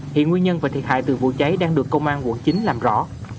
hiện nguyên nhân và thiệt hại từ vụ cháy đang được công an quận chín làm rõ